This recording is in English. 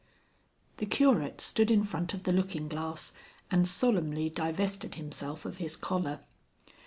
The Curate stood in front of the looking glass and solemnly divested himself of his collar.